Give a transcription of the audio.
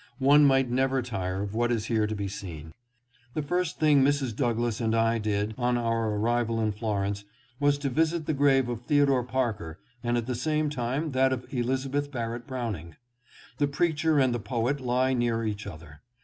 One might never tire of what is here to be seen. The first thing Mrs. Douglass and I did, on our arrival in Florence, was to visit the grave of Theodore Parker and at the same time that of Elizabeth Barrett Browning. The preacher and the poet lie near each other.